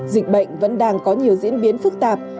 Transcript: dịch bệnh vẫn đang diễn biến phức tạp